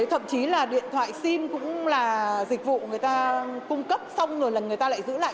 thậm chí là điện thoại sim cũng là dịch vụ người ta cung cấp xong rồi là người ta lại giữ lại cái sim đó